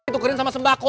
tukerin sama sembako